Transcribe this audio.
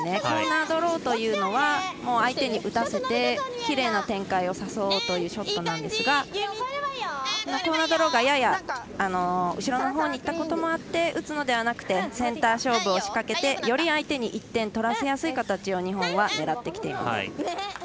コーナードローというのは相手に打たせてきれいな展開を誘おうというショットなんですがコーナードローがやや後ろのほうにいったこともあって打つのではなくてセンター勝負を仕掛けてより相手に１点取らせやすい形を日本は狙ってきています。